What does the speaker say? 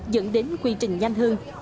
dẫn đến quy trình nhanh hơn